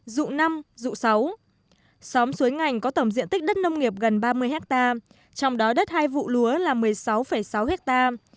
dụ năm rụ sáu xóm suối ngành có tổng diện tích đất nông nghiệp gần ba mươi hectare trong đó đất hai vụ lúa là một mươi sáu sáu hectare